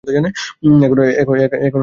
এখন আর ভয় পেতে হবে না।